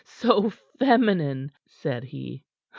"So feminine!" said he.